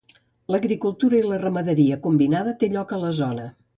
L'agricultura i la ramaderia combinada té lloc a la zona.